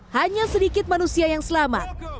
hanya sedikit manusia yang selamat